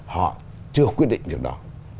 họ chưa quyết định việc đó